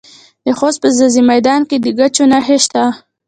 د خوست په ځاځي میدان کې د ګچ نښې شته.